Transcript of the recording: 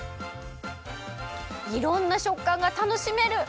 いろんなしょっかんがたのしめる。